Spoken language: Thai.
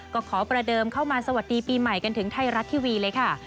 ก็ขอประเดิมเข้ามาสวัสดีปีใหม่กันถึงไทยรัฐทีวีเลยค่ะ